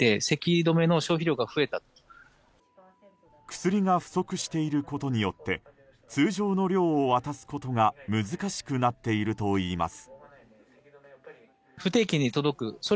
薬が不足していることによって通常の量を渡すことが難しくなっているといいます。